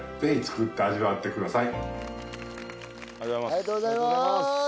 ありがとうございます！